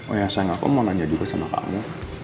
oh ya sayang aku mau nanya juga sama kamu